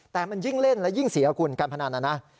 แต่มันยิ่งเล่นและยิ่งเสียคุณการพนันนะนะ